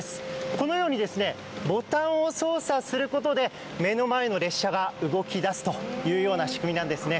このようにボタンを操作することで目の前の列車が動き出すというような仕組みなんですね。